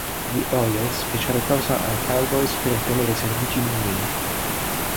Gli Oilers fecero causa ai Cowboys per ottenere i servigi di Neely.